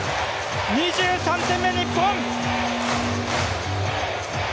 ２３点目、日本！